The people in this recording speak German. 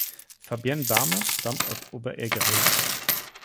Fabienne Bamert stammt aus Oberägeri.